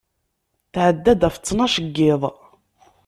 Tɛedda-d ɣef ttnac n yiḍ